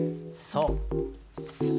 そう。